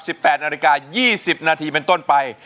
สิบแปดนาฬิกา๒๐นาทีเป็นต้นไป